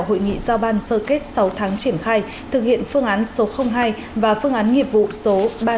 hội nghị giao ban sơ kết sáu tháng triển khai thực hiện phương án số hai và phương án nghiệp vụ số ba nghìn sáu trăm ba mươi một